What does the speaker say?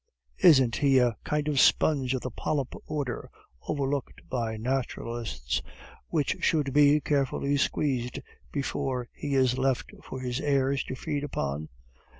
Isn't he a kind of sponge of the polyp order, overlooked by naturalists, which should be carefully squeezed before he is left for his heirs to feed upon?